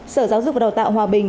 sở giáo dục và đào tạo hòa bình